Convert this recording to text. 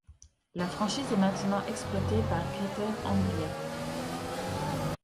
La franchise est maintenant exploitée par Greater Anglia.